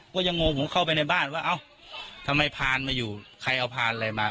ก็ยังงงผมเข้าไปในบ้านว่าเอ้าทำไมพานมาอยู่ใครเอาพานอะไรมา